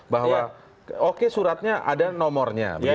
bahwa oke suratnya ada nomornya